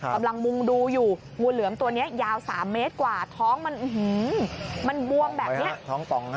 กำลังมุ่งดูอยู่งูเหลือมตัวนี้ยาว๓เมตรกว่าท้องมันบวมแบบนี้